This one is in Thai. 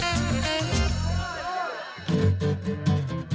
โอ้โฮ